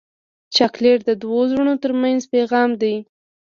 چاکلېټ د دوو زړونو ترمنځ پیغام دی.